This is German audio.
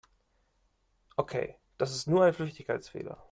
Okay, das ist nur ein Flüchtigkeitsfehler.